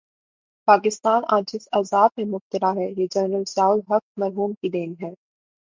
پاکستان آج جس عذاب میں مبتلا ہے، یہ جنرل ضیاء الحق مرحوم کی دین ہے۔